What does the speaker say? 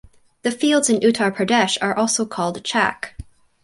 The fields in Uttar Pradesh are also called Chak.